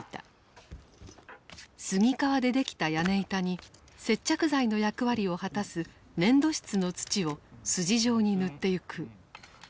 杉皮で出来た屋根板に接着剤の役割を果たす粘土質の土を筋状に塗っていく。